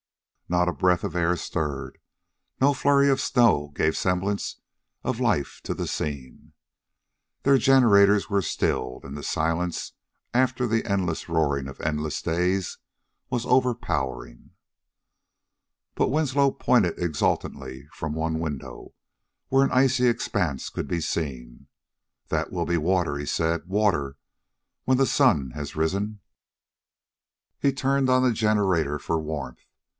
Not a breath of air stirred; no flurry of snow gave semblance of life to the scene. Their generator was stillen, and the silence, after the endless roaring of endless days, was overpowering. But Winslow pointed exultantly from one window, where an icy expanse could be seen. "That will be water," he said; "water, when the sun has risen." He turned on the generator for warmth.